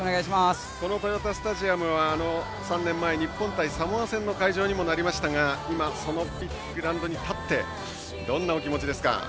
この豊田スタジアムは３年前日本対サモア戦の会場にもなりましたが今、そのグラウンドに立ってどんなお気持ちですか？